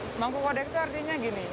nah mangku kode itu artinya gini